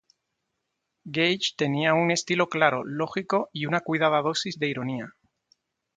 Gage tenía un estilo claro, lógico y una cuidada dosis de ironía.